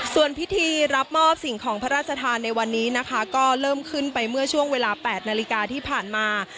ส่วนพิธีรับมอบสิ่งของพระราชทานในวันนี้นะคะก็เริ่มขึ้นไปเมื่อช่วงเวลา๘นาฬิกาที่ผ่านมา